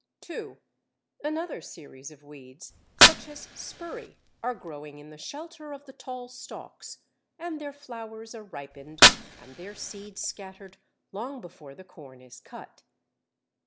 (2) Another series of weeds, such as Spurrey, are growing in the shelter of the tall stalks, and their flowers are ripened and their seed scattered long before the corn is cut.